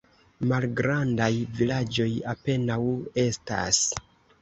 Malgrandaj vilaĝoj apenaŭ estas.